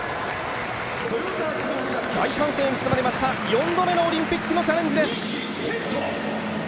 大歓声に包まれました４度目のオリンピックへのチャレンジです。